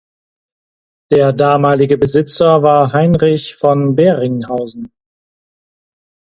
Der damalige Besitzer war Heinrich von Beringhausen.